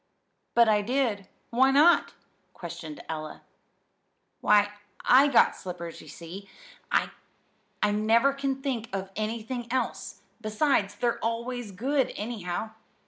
"But I did. Why not?" questioned Ella. "Why, I got slippers, you see. I never can think of anything else. Besides, they're always good, anyhow.